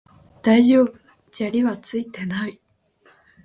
大丈夫、砂利はついていない